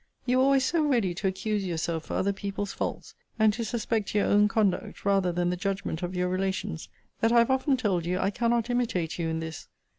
You were always so ready to accuse yourself for other people's faults, and to suspect your own conduct rather than the judgment of your relations, that I have often told you I cannot imitate you in this.